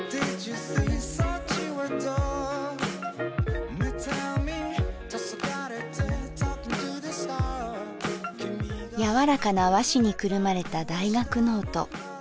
コン！なんてね柔らかな和紙にくるまれた大学ノート。